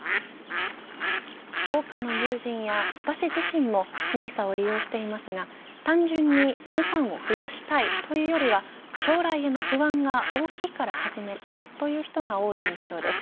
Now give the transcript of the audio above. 多くの友人や私自身もＮＩＳＡを利用していますが単純に資産を増やしたいというよりは将来への不安が大きいから始めたという人が多い印象です。